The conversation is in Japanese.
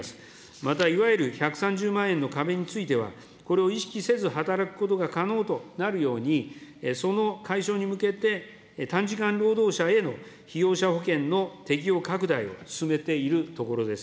また、いわゆる１３０万円の壁については、これを意識せず働くことが可能となるように、その解消に向けて、短時間労働者への被用者保険の適用拡大を進めているところです。